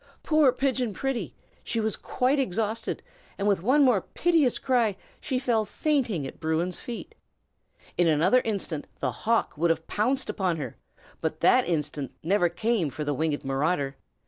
Poor Pigeon Pretty! She was quite exhausted, and with one more piteous cry she fell fainting at Bruin's feet. In another instant the hawk would have pounced upon her, but that instant never came for the winged marauder.